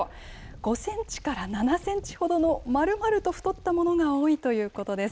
５センチから７センチほどのまるまると太ったものが多いということです。